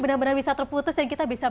benar benar bisa terputus dan kita bisa